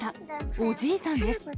おじいさんです。